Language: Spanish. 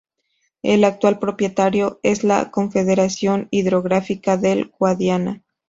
El actual propietario es la Confederación Hidrográfica del Guadiana.